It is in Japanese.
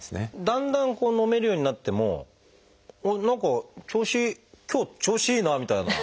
だんだん飲めるようになってもあっ何か調子今日調子いいなみたいな。